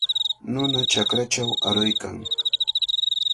Nuna chakrachaw aruykan.